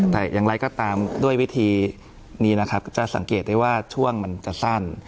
แต่อย่างไรก็ตามด้วยวิธีนี้นะครับจะสังเกตได้ว่าช่วงมันจะสั้น